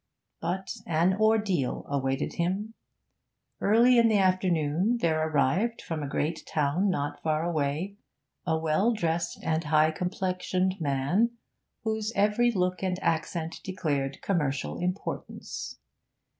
But an ordeal awaited him. Early in the afternoon there arrived, from a great town not far away, a well dressed and high complexioned man, whose every look and accent declared commercial importance.